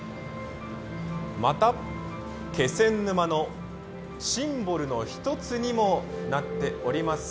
また、気仙沼のシンボルの一つにもなっております